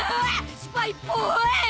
スパイっぽい！